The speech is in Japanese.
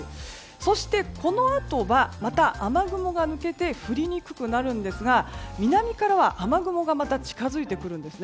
そしてこのあとはまた雨雲が抜けて降りにくくなるんですが南からは雨雲がまた近づいてくるんですね。